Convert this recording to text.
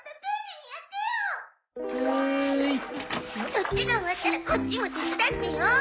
そっちが終わったらこっちも手伝ってよ！